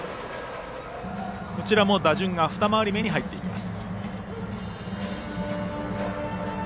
こちらも打順が二回り目に入っています。